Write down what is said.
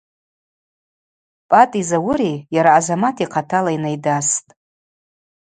Пӏатӏи Зауыри йара Азамат йхъатала йнайдастӏ.